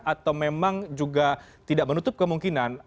atau memang juga tidak menutup kemungkinan